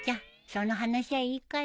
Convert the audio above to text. その話はいいから。